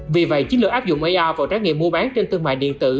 vì vậy chính lượng áp dụng ar vào trái nghiệm mua bán trên thương mại điện tử